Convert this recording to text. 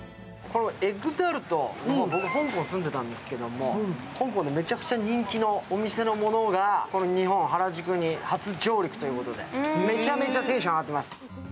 エッグタルト、僕、香港に住んでいたんですけど、香港でめちゃくちゃ人気のものが日本・原宿に初上陸ということでめちゃめちゃテンション上がってます。